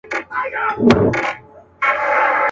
له پیشو یې ورته جوړه ښه نجلۍ کړه.